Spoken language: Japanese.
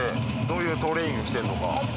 どういうトレーニングしてるのか。